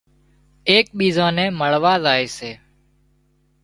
ايڪ ٻيزان نين مۯوا زائي سي